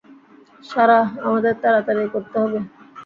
Sarah, আমাদের তাড়াতাড়ি করতে হবে।